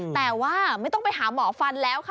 แต่ว่าไม่ต้องไปหาหมอฟันแล้วค่ะ